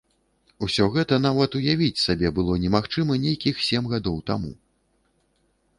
Усё гэта нават уявіць сабе было немагчыма нейкіх сем гадоў таму.